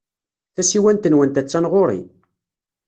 Tasiwant-nwent attan ɣer-i.